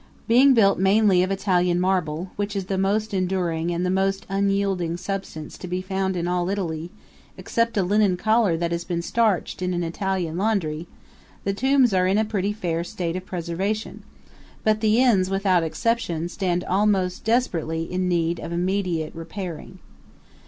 Being built mainly of Italian marble, which is the most enduring and the most unyielding substance to be found in all Italy except a linen collar that has been starched in an Italian laundry the tombs are in a pretty fair state of preservation; but the inns, without exception, stand most desperately in need of immediate repairing.